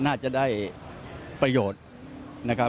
น่าจะได้ประโยชน์